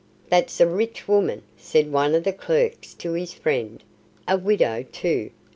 "That's a rich woman," said one of the clerks to his friend. "A widow, too!